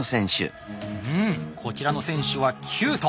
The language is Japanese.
うんこちらの選手は「キュート」。